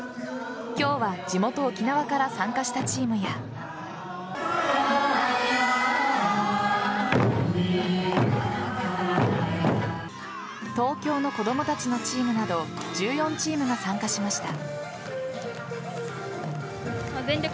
今日は地元・沖縄から参加したチームや東京の子供たちのチームなど１４チームが参加しました。